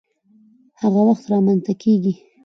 هغه وخت رامنځته کيږي،